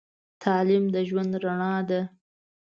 تعليم د ژوند رڼا ده.